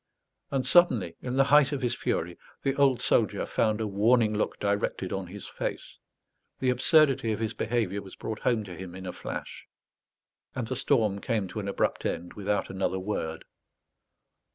And suddenly, in the height of his fury, the old soldier found a warning look directed on his face; the absurdity of his behaviour was brought home to him in a flash; and the storm came to an abrupt end, without another word.